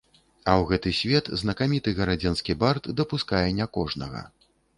А ў гэты свет знакаміты гарадзенскі бард дапускае не кожнага.